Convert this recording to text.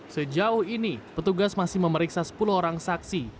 sejauh ini petugas masih memeriksa sepuluh orang saksi